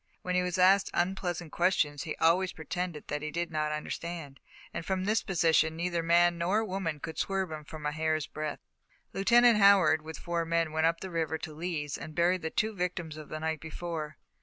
When he was asked unpleasant questions, he always pretended that he did not understand, and from this position neither man nor woman could swerve him a hair's breadth. Lieutenant Howard, with four men, went up the river to Lee's and buried the two victims of the night before.